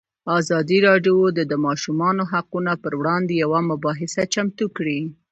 ازادي راډیو د د ماشومانو حقونه پر وړاندې یوه مباحثه چمتو کړې.